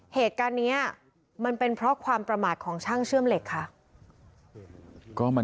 เหตุการณ์นี้มันเป็นเพราะความประมาทของช่างเชื่อมเหล็กค่ะ